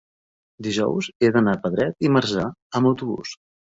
dijous he d'anar a Pedret i Marzà amb autobús.